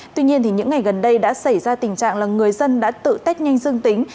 tuy nhiên những ngày gần đây đã xảy ra tình trạng là người dân đã tự test nhanh dương tính